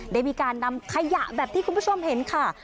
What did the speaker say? ได้มีการนำขยะแบบที่คุณผู้ชมเห็นค่ะ